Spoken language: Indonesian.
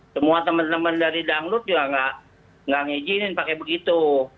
semua temen temen dari download juga nggak ngejinin pakai begitu